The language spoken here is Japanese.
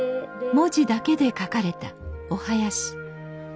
文字だけで書かれたお囃子。